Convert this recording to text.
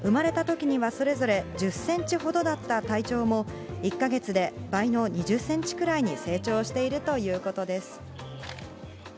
生まれたときにはそれぞれ１０センチほどだった体長も、１か月で倍の２０センチくらいに成長しているということです。